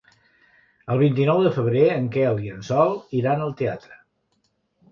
El vint-i-nou de febrer en Quel i en Sol iran al teatre.